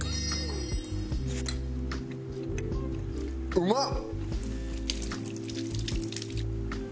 うまっ！